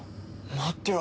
待ってよ